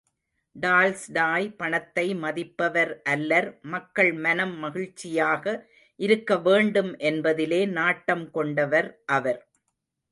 Tolstoy பணத்தை மதிப்பவர் அல்லர் மக்கள் மனம் மகிழ்ச்சியாக இருக்க வேண்டும் என்பதிலே நாட்டம் கொண்டவர் அவர்.